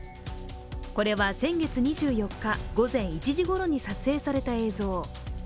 これは先月２４日午前１時ごろに撮影された映像。